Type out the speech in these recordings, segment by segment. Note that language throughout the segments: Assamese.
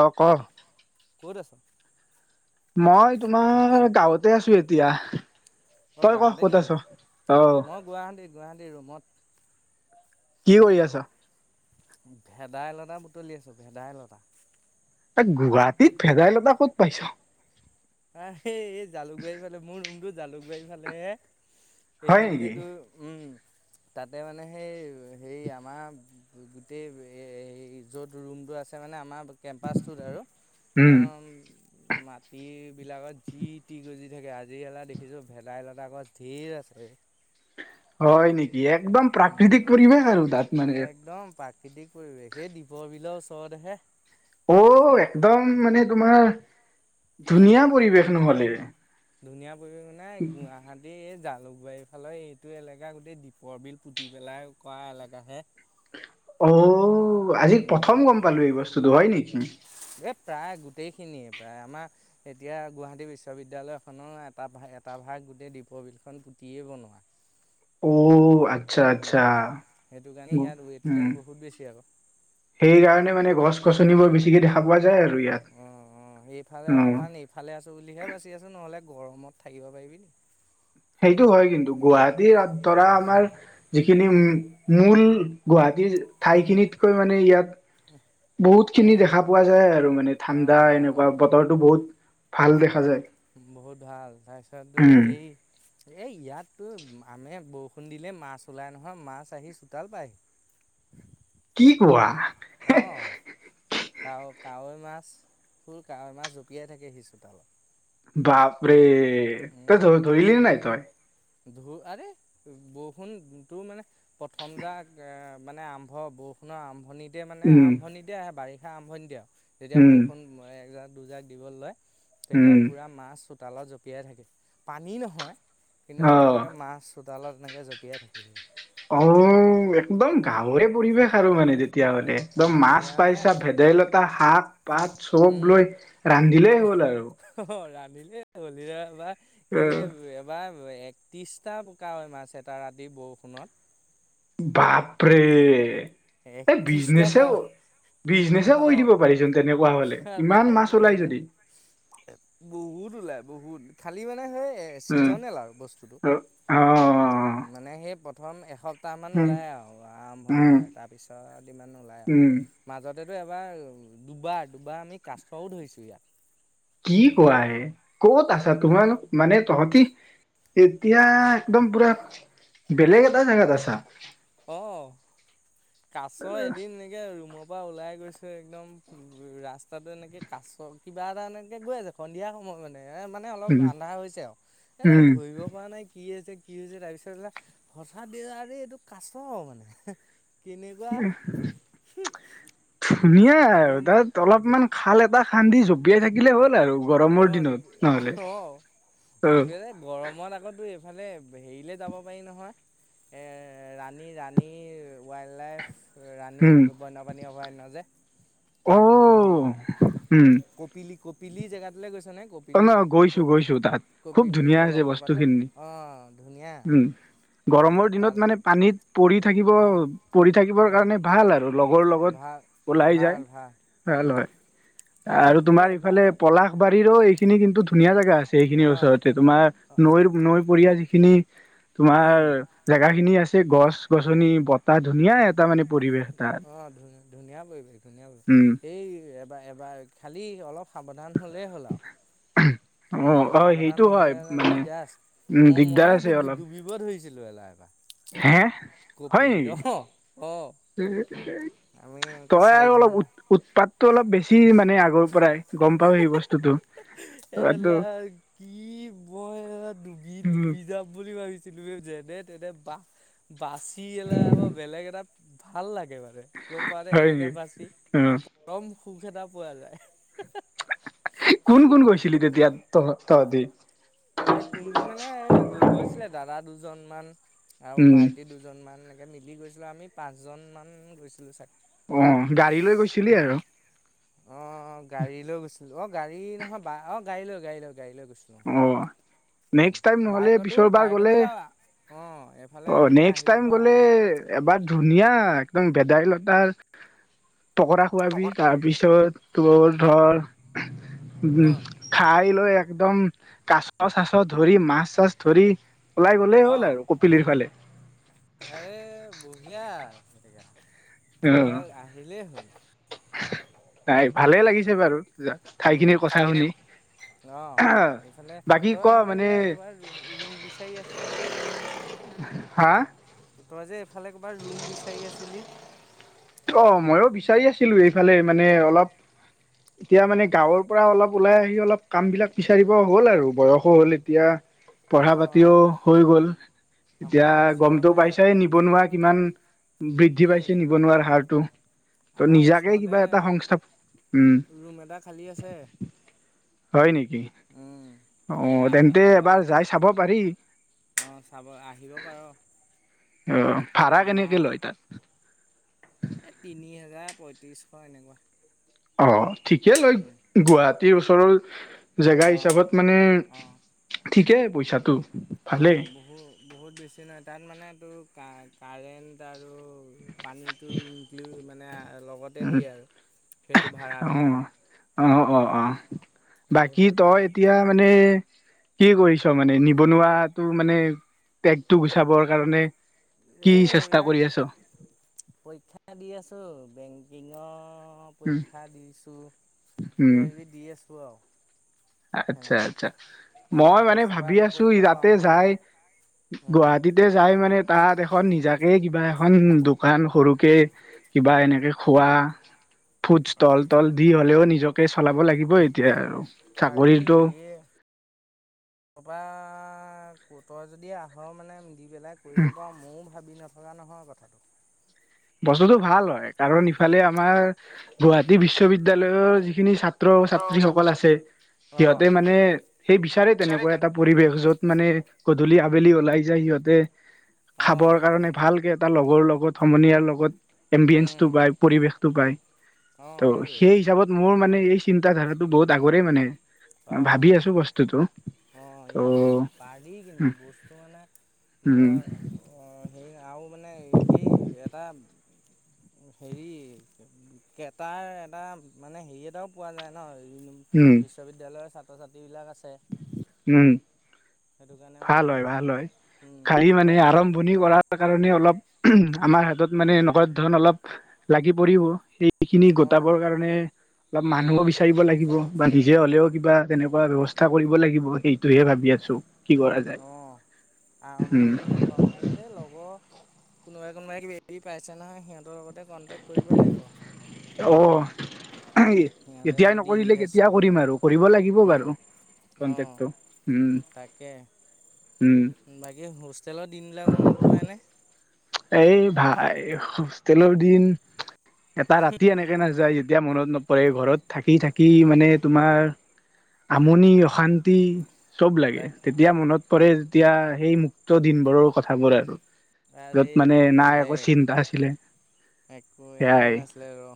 অ ক? কত আছা? মই তোমাৰ গাঁৱতে আছো এতিয়া। অ তই ক গাঁৱতে ক'ত নেকি আছ? অহ মই গুৱাহাটীত গুৱাহাটীৰ ৰুমত। কি কৰি আছা? ভেদাইলতা বুটলি আছো ভেদাইলতা। গুৱাহাটীত ভেজাইলতা ক'ত পাইছ? অ হ [unintelligible] জালুকবাৰী ফালে মোৰ ৰুমটোত জালুকবাৰী ফালে হয় নেকি এইখিনতেতো উম, তাতে মানে সেই হে আমাৰ গোটেই য'ত ৰুমটো আছে মানে আমাৰ, কেম্পাছটোত আৰু। উম মাটি বিলাকত যি টি গজি থাকে আজি কেলা দেখিছোঁ ভেদাইলতা গছ ধেই আছে। হয় নি একদম প্ৰাকৃতিক পৰিৱেশ আৰু তাত মানে। একদম প্ৰাকৃতিক পৰিৱেশ এই দীপৰ বিলৰ ওচৰতেহে। অ' একদম মানে তোমাৰ উম ধুনীয়া পৰিৱেশ ন'হলে। ধুনীয়া নাই গুৱাহাটীহে জালুকবাৰীৰ ফালে এইটো এলেকা গোটেই দীপৰ বিল পুতি পেলাই কৰা এলেকাহে। অ', আজি উম। প্ৰথম গম পালো এই বস্তুতটো, হয় নেকি? এই প্ৰায় গোটেইখিনিয়ে প্ৰায় আমাৰ এতিয়া গুৱাহাটী বিশ্ববিদ্যালয়খনৰ এটা ভাগ এটা ভাগ গোটেই দীপৰ বিলখন পুটিয়েই বনোৱা। অ', আ আচ্ছা উম, আচ্ছা সেইটো কাৰণে ইয়াত উম ৱেটলেণ্ড বহুত বেছি আকৌ। সেইকাৰণে মানে গছ গছনিবোৰ বি খিৰিকীয়েদি দেখা পোৱা যায় আৰু ইয়াত অ', অ', এইফালে অ অকমান এইফালে আছো বুলিহে বাচি আছো নহ'লে গৰমত থাকিব পাৰিবিনি? সেইটো হয় কিন্তু গুৱাহাটীৰ ধৰা আমাৰ যিখিনি মূল গুৱাহাটীৰ ঠাইখিনিতকৈ মানে ইয়াত বহুত খিনি উম, দেখা পোৱা যায় আৰু মানে অ', ঠাণ্ডা অ', অ'। এনেকুৱা বতৰটো বহুত ভাল দেখা যায়। বহুত ভাল তাৰপিছতটো উম সেই এই ইয়াততো মানে বৰষুণ দিলেই মাছ ওলাই নহয় মাছ আহি চোতাল পায়হি। কি কোৱা? কাৱৈ কাৱৈ মাছ বোৰ কাৱৈ মাছ জঁপিয়াই থাকেহি চোতালত। বাপৰে! এ তই ধ ধৰিলি নে নাই তই? ধৰ আৰে বৰষুণটো মানে প্ৰথম যাক মানে আৰম্ভ বৰষুণৰ আৰম্ভণিত তেতিয়া মানে উম আৰম্ভণতে আহে বাৰি আৰম্ভণিতে আও তেতিয়া উম বৰষুণ এজাক দুজাক দিবলে লয়। তেতিয়া উম পুৰা মাছ চোতালত জপিয়াই থাকে পানী নহয়। কিন্তু অ মানে এনেকৈ মাছ চোতালত এনেকে জঁপিয়াই থাকি। অ একদম গাঁৱৰে পৰিৱেশ আৰু মানে। তেতিয়া এ হলে একদম মাছ গাঁৱলীয়া মানে পাইছা ভেদাইলতা শাক পাত চব লৈ ৰান্ধিলেই হ'ল আৰু। নিলে কেলে অ এবাৰ একত্ৰিছ টা মাছ এটা ৰাতি বৰষুণত। বাপৰে। এ একত্ৰিশটা বিজনেছে কাৱৈ বিজনেছে অ কৰি দিব পাৰিচোন তেনেকুৱা হলে আৰে ইমান মাছ বৰ ওলাই বেলেগ যদি। বহুত ওলাই বহুত খালি মানে সেই, এই উম ছিজনেল আৰু বস্তুটো। অ মানে সেই প্ৰথম এশক সটামান উম ওলায় আৰু উম আৰম্ভণিতে আৰু তাৰপিছত ইমান নোলায় আৰু উম মাজত ত এবাৰ দুবাৰ দুবাৰ আমি কাছও ধৰিছো ইয়াত। কি কোৱা হে। কত আৰে আছা তোমাৰ মানে তহঁতি এতিয়া একদম পুৰা বেলেগ এটা জেগাত আছা। কাছৰ এদিন নেকে ৰুমত পৰা ওলাই গৈছো একদম ৰাস্তাতটো এনেকে কাছ কিবা এটা এনেকে গৈ আছে সন্ধিয়া সময় মানে। এ মানে অলপ উম আন্ধাৰ হৈছে আৰু এ উম ধৰিব পৰা নাই কি কি হৈছে তাৰ পিছত হঠাৎ এইটো কাচ মানে কেনেকুৱা? ধুনীয়াই আৰু একদম তাত অলপমান খাল এটা খান্দি থাকিলে হল। আৰু গৰমৰ অ' দিনত নহলে অ' অ। জুবিৰে গৰমত আকৌ তোৰ এইফালে হেৰিলে যাব পাৰি নহয়? এ, ৰাণী, ৰাণী ৱাইল্ড লাইফ ৰাণী উম বন্যপ্ৰাণী অভয়াৰণ্য যে, অ তাতো সেই উম কপিলি-কপ পিলি জেগাতোলে গৈছ অ', ন, গৈছোঁ, গৈছোঁ তাত খুব কপিলি ধুনীয়া আছে বস্তু জলপ্ৰপাত খিনি। অঁ ধুনীয়া উম, গৰমৰ দিনত তাত মানে পানীত পৰি থাকিব, অঁ পৰি থাকিবৰ অঁ কাৰণে ভাল আৰু লগৰ লগত ভাল ওলাই যায় ভাল ভাল ভাল উম হয়, তাত আৰু গৈ তোমাৰ এবাৰ ইফালে পলাশবাৰীৰ ঐ খিনি কিন্তু ধুনীয়া জেগা। ছে, খিনিৰ অঁ ওচৰতে তোমাৰ নৈৰ, নৈ পৰীয়া যি খিনি উম তোমাৰ জেগা খিনি আছ গছ গছনি বতাহ ধুনীয়া এটা মানে পৰিৱেশ তাত অ ধুন ধুনীয়া পৰিৱেশ ধুনীয়া পৰিবেশ উম এই বা এবাৰ খালী অলপ সাৱধান হ'লেই হ'ল আও অ উম অ সেইটো সাৱধান হয় নহ'লেমানে মানে দিগদাৰ উম আছে মই দিগদাৰ মইয়ে আছে ডুবি অলপ ডুবিব ধৰিছিলোঁ ল এলাই এবাৰ হে হয় কপিলিত অঁ অঁ নি আমি এনেকে চাৰিজন অলপ উৎ উৎপাতটো অলপ বেছি মানে আগৰ পৰাই গম পাও সেই বস্তুটো তইতো মা--এলা কি মই ডুবি উম ডুবি যাম বুলি ভাবিছিলো ব যে হে তেতে বা বাচি এ লাই বেলেগ এটা ভাল লাগে একেবাৰে গ পাৰে হয় এনেকে নেকি বাচি উম পৰম সুখ এটা পোৱা যায় কোন কোন গৈছিলি তেতিয়া তহ তহতি এ কোন কোন মানে এই গৈছিলে দাদা দুজনমান আৰু উম ভাইটি দুজনমান এ মিলি গৈছিলোঁ আমি পাঁচজনমান গৈছিলোঁ চাগ অ গাড়ী লৈ গৈছিলি আৰু অ গাড়ী লৈ গৈছ অ গাড়ী নহয় বা অ গাড়ী লৈ গাড়ী লৈ গাড়ী লৈ গৈছিলো অ উম নেক্সট টাইম নহ'লে বাইকতো পিছৰ বাৰ বাইকতো গ'লে যাআ অ নেক্সট টাইম গলে এবাৰ ধুনীয়া একদম ভেদাইলতাৰ পকৰা খোৱাবি পাৰ তাৰপিছত তৌৰ ধৰ উম খাই লৈ একদম কাছ চাছ ধৰি মাছ চাছ ধৰি ওলাই গ'লে হল অ', আৰু পুলিৰ ফালে আৰে বঢ়িয়া জেগা অ তই আহিলেই হ'ল [unintelligible] নাই ভালে লাগিছে বাৰু জাগ ঠাই খিনিৰ কথা ঠাইখিনি শুনি আ অ', হা এইফালে বাকী তই ক এইফালে মানে কিবা ক'ৰবাত ৰুম ৰুম বিচাৰি আছিলি যে হা। তই যে এইফালে কবাৰ ৰুম বিচাৰি আছিলি। অ' মইও বিচাৰি আছিলো এইফালে মানে অলপ এতিয়া মানে গাঁৱৰ পৰা অলপ ওলাই আহি অলপ কাম বিলাক বিচাৰিব হ'ল আৰু বয়সো হ'ল এতিয়া। পঢ়া পাতিও অ', হৈ গ'ল, এতিয়া আমাৰ গমটো ওচৰতে পাইছয়ে নিবনুৱা কিমান বৃদ্ধি উম, পাইছে নিবনুৱাৰ। আৰুটো তই আমাৰ নিজাকে কিবা ওচৰতে এটা সংস্থাপন উম। ৰুম এটা খালী আছে হয় নেকি। উম, এই অ' আগ তেন্তে আগৰ এবাৰ যাই চাব পাৰি। অ', চাব আহিব পাৰ অ' ভাড়া কেনেকে আমাৰ লয় তাত। এই তিনি হেজাৰ পঁয়ত্ৰিছশ এনেকুৱা। অ'। ঠিকেই লয় গুৱাহাটীৰ ওচৰৰ। [inaudible] জেগা অ', হিচাপত মানে ঠিকেই। পইচাটো। ভালেই অ' বহু বহুত বেছি নহয় তাত মানে। টো কা কাৰেণ্ট আৰু। পানীতো ইনক্লিউ। মানে আৰু। লগতে উম দিয়ে সেইটো ভাড়াতে অ, অ, অ, অ গতিকে বাকী সেই তই তাৰ এতিয়া মানে। কি কৰিছ মানে নিবনুৱাটো মানে টেগটো গুচাবৰ কাৰণে। এ কি চেষ্টা এইবিলাক কৰি আছ পৰীক্ষা দি আছো বেংক। কিঙৰ। অ' উম পৰীক্ষা দিছো উম কিবাকিবি দি আছো আৰু। আচ্ছা, সেনেকৈ আচ্ছা, এই মই মানে আগষ্টৰ পৰা ভাবি আকৌ আছো পৰীক্ষাবোৰ তাতে আৰম্ভ হ'ব যাই নহয় গুৱাহাটীতে যাই মানে তাত এখন। এখন নিজাকে কিবা এখন দোকান সৰুকে কিবা এনেকে খোৱা। ফুড স্টল তল দি হলেও নিজে। নিজকে চলাব লাগিব এতিয়া আৰু। পাৰি। চাকৰিটো তাৰ পৰা তই যদি আহ মানে দি। কৰিব পাৰা মইও ভাবি নাপাওঁ। ভবা নহয় কথাটো। বস্তুটো ভাল হয় কাৰণ ইফালে আমাৰ গুৱাহাটী বিশ্ববিদ্যালয়ৰ যিখিনি ছাত্ৰ। ছাত্ৰ ছাত্ৰ-ছাত্ৰীসকল ছাত্ৰী আছে অঁ সিহঁতে মানে সেই বিচাৰে তেনেকুৱা এটা পৰিৱেশ য'ত মানে। গধূলি আবেলি ওলাই যায় সিহঁতে। অঁ খাৱৰ কাৰণে ভালকে এটা লগৰ লগত সমনীয়াৰ লগ লগত এম্বিয়েন্ঞ্চ টো উম বা পৰিৱেশ টো পায়। অঁ ত' সেইটোৱেই সেই হিচাপত মোৰ মানে এই চিন্তাধ ধাৰাটো বহুত আগৰেই মানে। অ ভাবি আছো বস্তুটো অ ত' ইয়াত পাৰি, কিন্তু উম বস্তু মানে উম বৰ অ হেৰি আৰু মানে সেই এটা হেৰি কেটাৰ এটা মানে হেৰি এটাও পোৱা যায় ন। উম। বিদ্যালয়ৰ ছাত্ৰ ছাত্ৰী বিলাক আছে। উম। সেইটো কাৰণে মানে ভাল এইটো হয়, ভাল হয়, গড়ী মানে ইয়াত আৰম্ভণি কৰাৰ কাৰণে অলপ আমাৰ হাতত মানে এনেকুৱা ধৰন অলপ লাগি পৰিব সেই সেইখিনি অঁ গোটাবৰ কাৰণে অলপ অঁ মানুহো সেই বিচাৰিব লাগিব বা নিজে হলেও কিবা তেনেকুৱা ব্যৱস্থা ব কৰিব লাগি বহি। অ উম আৰম্ভণি ধনটো হেই লগৰ কোনোবাই কোনোবাই কিবা কিবি পাইছে নহয় সিহঁতৰ লগতে কণ্টেক্ট কৰিব লাগিব। অ' সিহঁতে এতিয়াই যদি নকৰিলে ইনভেষ্ট কেতিয়া কৰ কৰিম আৰু কৰিব লাগিব বাৰু অঁ, কন্টেকটো উম তাকে উম বাকী হোষ্টেলৰ দিনবিলাক মনত পৰেনে? এই ভাই হোষ্টতেলৰ দিন এটা ৰাতি এনেকে নাযায় এতিয়া মনত নপৰে, ঘৰত থাকি থাকি মানে তোমাৰ আমনি অশান্তি চব লাগে তাকে তেতিয়া মনত কৰে তেতিয়া সেই মুক্ত দিন বোৰৰ কথাবোৰ আৰু। সচা য'ত দেই মানে বৰ নাই একো বেলেগ চিন্তা আছিলে একো একো সেয়াই নাছিলে ৰ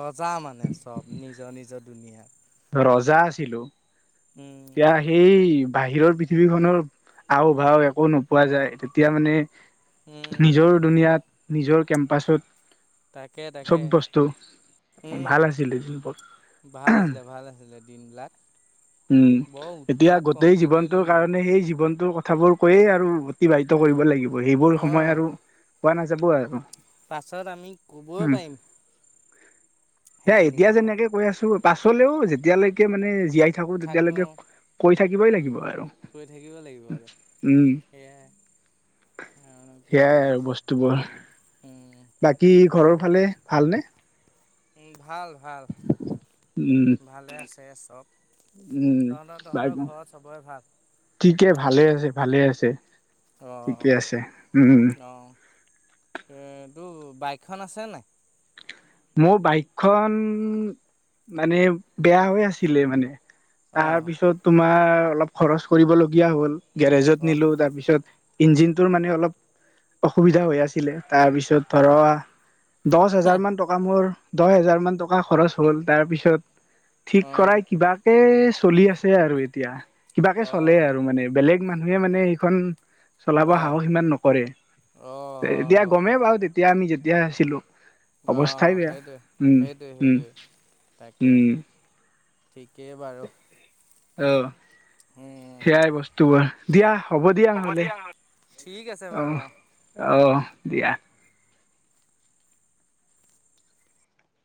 ৰজা মানে। চব নিজৰ নিজৰ দুুনিয়াত। ৰজা আছিলো। উম, তেতিয়া সেই বাহিৰৰ পৃথিৱীখনৰ আও ভাও একো ন পোৱা যায় তেতিয়া মানে উম, নিজৰ দুুনিয়াত নিজৰ কেম্পাছত তাকে চব তাকে বস্তু হম ভাল আছিলে যোনবোৰ ভাল আছিলে ভাল আছিলে দিনবিলাক উম বৰ এতিয়া উৎপাত গোটেই কমটি কৰিলোঁ জীৱনটোৰ নেকি কাৰণে সেই জীৱন তোৰ কথাবোৰ কৈয়ে আৰু অতিবাহিত কৰিব লাগিব এইবোৰ সময় অ', আৰু পোৱা নাযাব আৰু পাছত আমি ক'ব পাৰিম সেই সেইখিনি এতিয়া কথাকে যেনেকে কৈ আছো পাছলেও যেতিয়ালৈকে মানে জীয়াই থাকো তেতিয়ালৈকে থাকোঁ কৈ থাকিবই লাগিব আৰু কৈ থাকিব লাগিব আৰু উম সেয়াই আৰু কি সেয়াই কৰিবি আৰু বস্তুবোৰ হম বাকী ঘৰৰ ফালে ভালনে উহ ভাল ভাল উম ভালে আছে অ উম বাই চবৰে ভাল? ঠিকে ভালে আছে ভালে আছে অ', ঠিকে আছে উম উম অ', এ তটো বাইকখন আছে নে নাই মোৰ বাইকখন মানে বেয়া হৈ আছিলে মানে তাৰ অ', পিছত তোমাৰ অলপ খৰচ কৰিবলগীয়া হ'ল গেৰেজত অ', নিলো তাৰ পিছত ইঞ্জিনটোৰ মানে অলপ অসুবিধা হৈ আছিলে তাৰপিছত অ', ধৰা দহ হাজাৰ অ', মান টকা দহ হোজাৰ মান টকা খৰচ হ'ল তাৰ পিছত ঠিক কৰাই অ', কিবাকে চলি আছে আৰু এতিয়া কিবাকে চলে আৰু অ', মানে বেলেগ মানুহে মানে এইখন চলাব অ', সাহস সিমান নকৰে এতিয়া অ', গমেই পাও তেতিয়া আমি যে দিয়া আছিলো। অৱস্থাই অ'! বেয়া সেইটোৱ, উম সেইটোৱে, উম সেইটোৱে, তাকে। উম ঠিকেই বাৰু। অ'! উম। সেইয়াই বস্তুবোৰ। দিয়া! হ'ব দিয়া, ঠিক আছে বাৰু অ'! অ'! দিয়া।